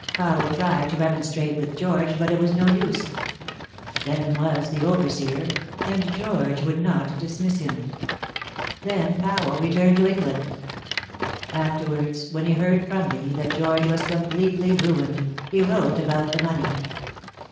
Powell tried to remonstrate with George, but it was no use. Denham was the overseer, and George would not dismiss him. Then Powell returned to England. Afterwards when he heard from me that George was completely ruined, he wrote about the money."